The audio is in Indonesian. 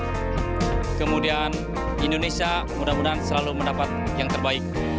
dan kemudian indonesia mudah mudahan selalu mendapat yang terbaik